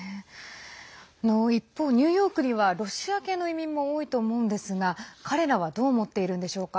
一方、ニューヨークにはロシア系の移民も多いと思うんですが彼らはどう思っているんでしょうか。